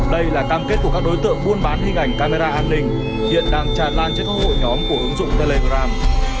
đây là cam kết của các đối tượng buôn bán hình ảnh camera an ninh hiện đang tràn lan trên các hội nhóm của ứng dụng telegram